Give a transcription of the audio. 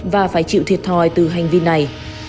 và phải chịu thiệt thòi từ hành vi này